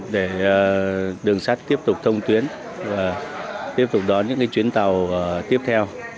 để đường sắt tiếp tục thông tuyến và tiếp tục đón những chuyến tàu tiếp theo